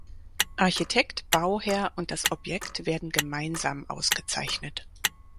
Architekt, Bauherr und das Objekt werden gemeinsam ausgezeichnet.